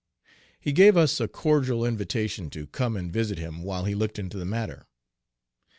He gave us a cordial invitation to come and visit him while we looked into the matter.